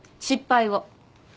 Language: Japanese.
失敗を。